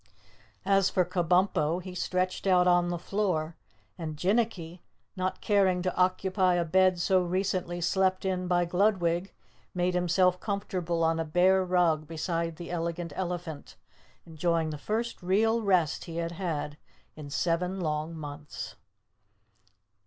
As for Kabumpo, he stretched out on the floor and Jinnicky, not caring to occupy a bed so recently slept in by Gludwig, made himself comfortable on a bear rug beside the Elegant Elephant, enjoying the first real rest he had had in seven long months.